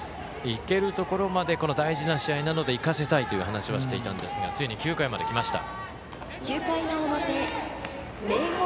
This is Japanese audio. いけるところまで大事な試合なのでいかせたいという話はしていたんですがついに９回まできました。